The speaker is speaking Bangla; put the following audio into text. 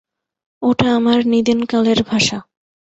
ওটা আমার নিদেনকালের ভাষা।